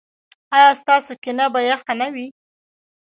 ایا ستاسو کینه به یخه نه وي؟